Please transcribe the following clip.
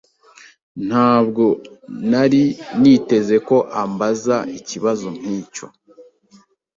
Ntabwo nari niteze ko ambaza ikibazo nkicyo.